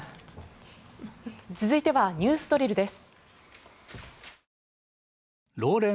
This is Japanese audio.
続いてはＮＥＷＳドリルです。